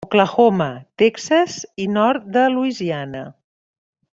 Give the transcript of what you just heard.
Oklahoma, Texas i nord de Louisiana.